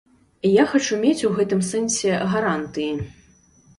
Я хачу мець у гэтым сэнсе гарантыі.